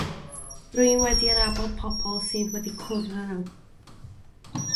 Rydw i wedi adnabod pobl sydd wedi cwrdd â nhw.